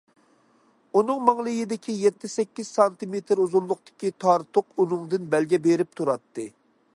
ئۇنىڭ ماڭلىيىدىكى يەتتە- سەككىز سانتىمېتىر ئۇزۇنلۇقتىكى تارتۇق بۇنىڭدىن بەلگە بېرىپ تۇراتتى.